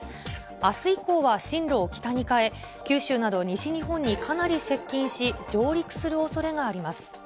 あす以降は進路を北に変え、九州など西日本にかなり接近し、上陸するおそれがあります。